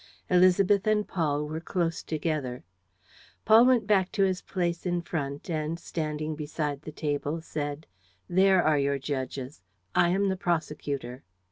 Élisabeth and Paul were close together. Paul went back to his place in front and, standing beside the table, said: "There are your judges. I am the prosecutor."